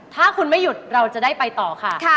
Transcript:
ถ้าคุณไม่หยุดเราจะได้ไปต่อค่ะ